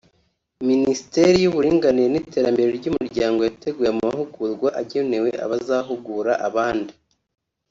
Minisiteri y’Uburinganire n’Iterambere ry’Umuryango yateguye amahugurwa agenewe abazahugura abandi